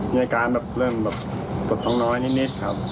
มีอาการแบบเริ่มแบบปวดท้องน้อยนิดครับ